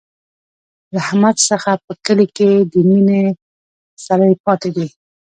له احمد څخه په کلي کې د مینې څلی پاتې دی.